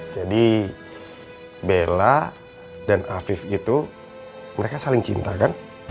jadi bella dan afif itu mereka saling cinta kan